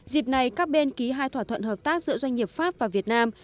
dịp này các bên ký hai thỏa thuận hợp tác giữa doanh nghiệp pháp và việt nam